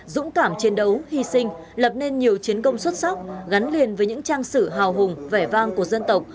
dũng cảm chiến đấu hy sinh lập nên nhiều chiến công xuất sắc gắn liền với những trang sử hào hùng vẻ vang của dân tộc